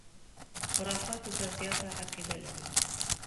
خُرافاتو ته زیاته عقیده لري.